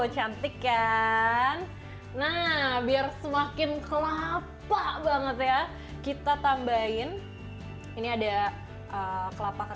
cantik kan nah biar semakin kelapa banget ya kita tambahin of geropak